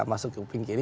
masuk ke pinggir